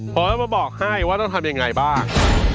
ขอให้มาบอกให้ว่าต้องทำยังไงบ้าง